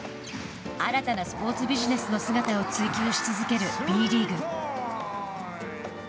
新たなスポーツビジネスの姿を追求し続けるＢリーグ。